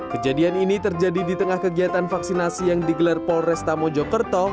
kejadian ini terjadi di tengah kegiatan vaksinasi yang digelar polresta mojokerto